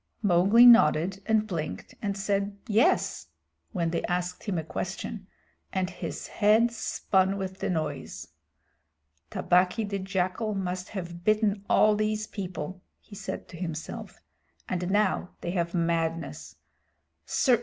Mowgli nodded and blinked, and said "Yes" when they asked him a question, and his head spun with the noise. "Tabaqui the Jackal must have bitten all these people," he said to himself, "and now they have madness.